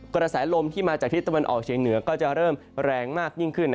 กระแสลมที่มาจากทิศตะวันออกเฉียงเหนือก็จะเริ่มแรงมากยิ่งขึ้น